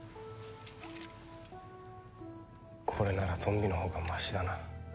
これならゾンビのほうがマシだな。